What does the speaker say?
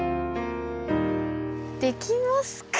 できますか？